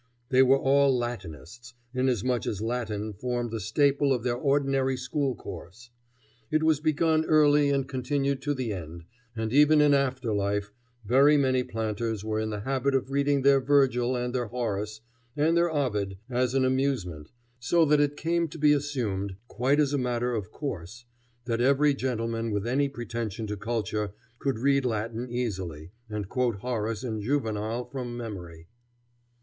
They were all Latinists, inasmuch as Latin formed the staple of their ordinary school course. It was begun early and continued to the end, and even in after life very many planters were in the habit of reading their Virgil and their Horace and their Ovid as an amusement, so that it came to be assumed, quite as a matter of course, that every gentleman with any pretension to culture could read Latin easily, and quote Horace and Juvenal from memory.